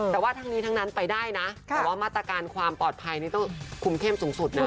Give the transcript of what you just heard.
แต่ว่าทั้งนี้ทั้งนั้นไปได้นะแต่ว่ามาตรการความปลอดภัยนี่ต้องคุมเข้มสูงสุดนะ